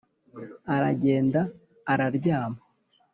aragenda araryama